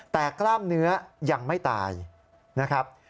แต่กล้ามเนื้อยังไม่ตายนะครับ